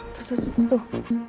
tuh tuh tuh